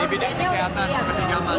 di bidang kesehatan seperti gamal